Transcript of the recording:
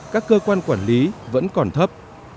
các cơ quan quản lý vẫn còn thấp